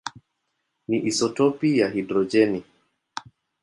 ni isotopi ya hidrojeni.